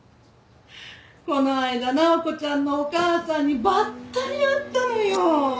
この間直子ちゃんのお母さんにばったり会ったのよ。